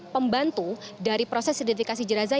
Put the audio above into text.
pembantu dari proses identifikasi jenazah